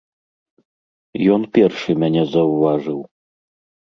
Ён першы мяне заўважыў.